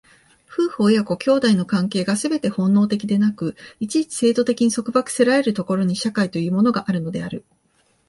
夫婦親子兄弟の関係がすべて本能的でなく、一々制度的に束縛せられる所に、社会というものがあるのである。